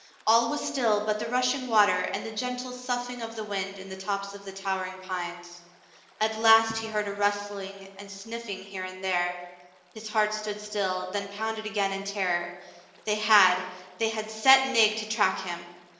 All was still but the rushing water and the gentle soughing of the wind in the tops of the towering pines. At last he heard a rustling and sniffing here and there. His heart stood still, then pounded again in terror. They had — they had set Nig to track him.